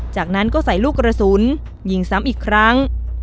จากนั้นก็ใส่ลูกกระสุนยิงซ้ำอีกครั้ง